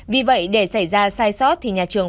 vì vậy để xảy ra sai sót thì nhà trường